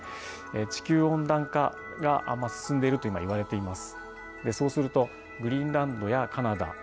地球温暖化が進んでいると今いわれています。